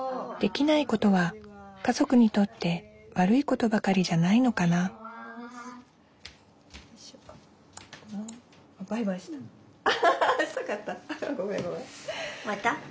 できないことは家族にとって悪いことばかりじゃないのかなバイバイした。